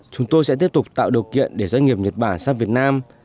chúng tôi sẽ tiếp tục tạo điều kiện để doanh nghiệp nhật bản sang việt nam